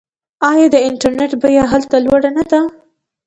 آیا د انټرنیټ بیه هلته لوړه نه ده؟